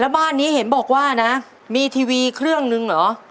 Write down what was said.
บ้านนี้เห็นบอกว่านะมีทีวีเครื่องหนึ่งเหรอ